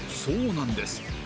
そうなんです。